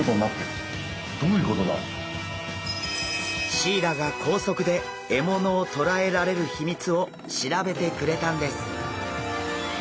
シイラが高速で獲物をとらえられる秘密を調べてくれたんです。